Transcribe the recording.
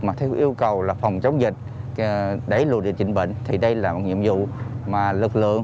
mà theo yêu cầu là phòng chống dịch đẩy lùi điều trị bệnh thì đây là một nhiệm vụ mà lực lượng